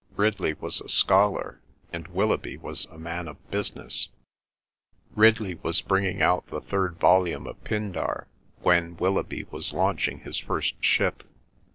Ridley was a scholar, and Willoughby was a man of business. Ridley was bringing out the third volume of Pindar when Willoughby was launching his first ship.